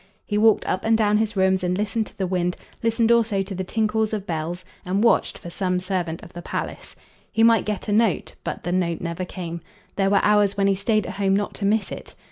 He walked up and down his rooms and listened to the wind listened also to tinkles of bells and watched for some servant of the palace. He might get a note, but the note never came; there were hours when he stayed at home not to miss it.